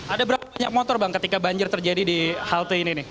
ada berapa banyak motor bang ketika banjir terjadi di halte ini nih